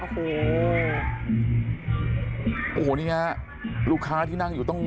โอ้โหนี่ฮะลูกค้าที่นั่งอยู่ต้องลุก